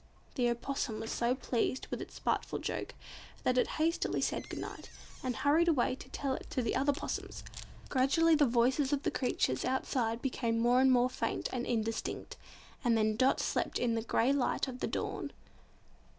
The Opossum was so pleased with its spiteful joke that it hastily said good night, and hurried away to tell it to the other possums. Gradually the voices of the creatures outside became more and more faint and indistinct; and then Dot slept in the grey light of the dawn.